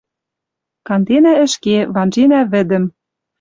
Канденӓ ӹшке, ванженӓ вӹдӹм.